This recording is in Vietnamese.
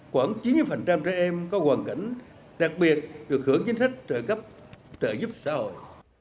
khoảng chín mươi trẻ em có hoàn cảnh đặc biệt được hưởng chính sách trợ cấp trợ giúp xã hội